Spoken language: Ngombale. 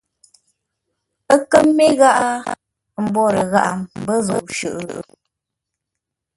Ə́ kə mê gháʼá? Mbwórə gháʼa mbə́ zə̂u shʉʼʉ ?